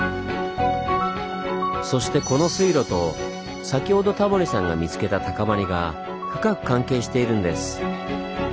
そしてこの水路と先ほどタモリさんが見つけた高まりが深く関係しているんです。